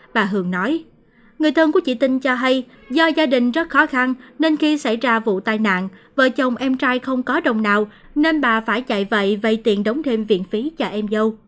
bà hường nói người thân của chị tinh cho hay do gia đình rất khó khăn nên khi xảy ra vụ tai nạn vợ chồng em trai không có đồng nào nên bà phải chạy vậy vây tiền đóng thêm viện phí cho em dâu